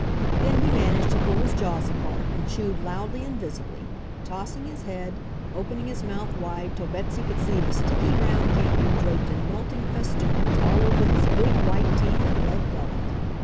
Then he managed to pull his jaws apart and chewed loudly and visibly, tossing his head, opening his mouth wide till Betsy could see the sticky, brown candy draped in melting festoons all over his big white teeth and red gullet.